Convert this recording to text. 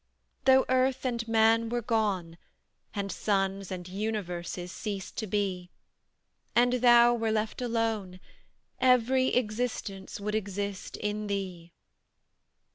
Though earth and man were gone, And suns and universes ceased to be, And Thou were left alone, Every existence would exist in Thee.